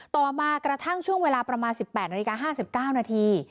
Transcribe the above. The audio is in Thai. ต่อมากระทั่งช่วงเวลาประมาณ๑๘นาฬิกา๕๙นาที